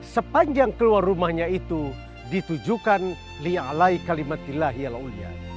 sepanjang keluar rumahnya itu ditujukan li'alai kalimatillah ya la'uliyah